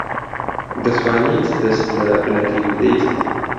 دەتوانیت دەست لە بنەکەی بدەیت؟